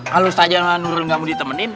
kalau ustazah nggak mau ditemenin